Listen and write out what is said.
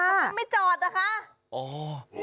แล้วไม่จอดนะคะอ๋อ